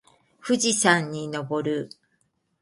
富士山に登る